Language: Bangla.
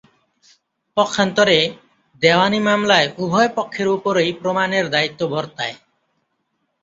পক্ষান্তরে, দেওয়ানি মামলায় উভয় পক্ষের ওপরই প্রমাণের দায়িত্ব বর্তায়।